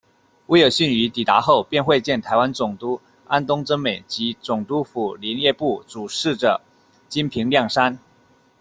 威尔荪于抵达后便会见台湾总督安东贞美及总督府林业部主事者金平亮三。